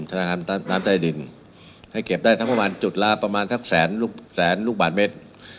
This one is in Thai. ธนาคารน้ำใต้ดินให้เก็บได้ทั้งประมาณจุดละประมาณสักแสนลูกแสนลูกบาทเมตร